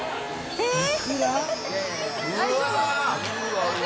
えっ？